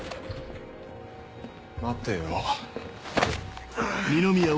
待てよ。